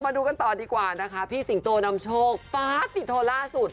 มาดูกันต่อดีกว่านะคะพี่สิงโตนำโชคป๊าสติโทล่าสุด